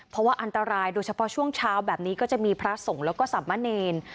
เพราะว่าอันตรายโดยเฉพาะช่วงเช้าแบบนี้ก็จะมีพระสงฆ์แล้วก็สับมะเนร